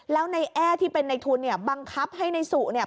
แล้วในแอ้ที่เป็นในทุนเนี่ยบังคับให้นายสุเนี่ย